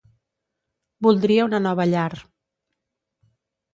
Voldria una nova llar.